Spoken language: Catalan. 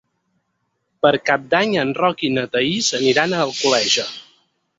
Per Cap d'Any en Roc i na Thaís aniran a Alcoleja.